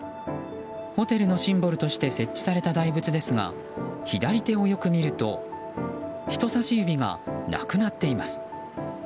ホテルのシンボルとして設置された大仏ですが左手をよく見ると人さし指がなくなっています。